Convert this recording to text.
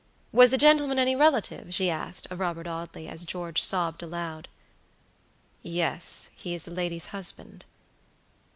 Was the gentleman any relative? she asked of Robert Audley, as George sobbed aloud. "Yes, he is the lady's husband."